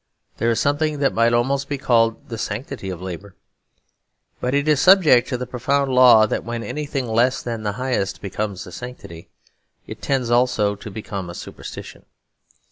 There is something that might almost be called the sanctity of labour; but it is subject to the profound law that when anything less than the highest becomes a sanctity, it tends also to become a superstition.